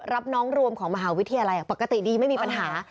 รับน้องรวมของมหาวิทยาลัยปกติดีไม่มีปัญหา